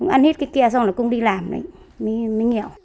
ăn hết cái kia xong là cũng đi làm đấy mới nghèo